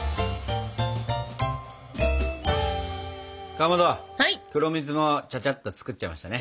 かまど黒蜜もちゃちゃっと作っちゃいましたね。